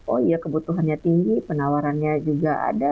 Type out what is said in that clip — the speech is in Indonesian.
oh iya kebutuhannya tinggi penawarannya juga ada